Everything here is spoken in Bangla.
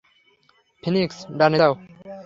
ফিনিক্স, ডানে যাও!